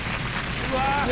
・うわ！